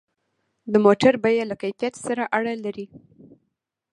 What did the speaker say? د موټر بیه له کیفیت سره اړه لري.